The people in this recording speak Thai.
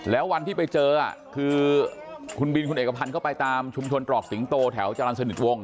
แล้ววันที่ไปเจอคือคุณบินคุณเอกพันธ์ก็ไปตามชุมชนตรอกสิงโตแถวจรรย์สนิทวง